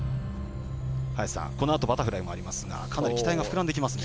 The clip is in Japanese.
このあとバタフライもありますがかなり期待が膨らんできますね。